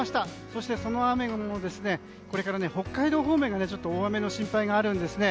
そして、その雨もこれから北海道方面に大雨の心配があるんですね。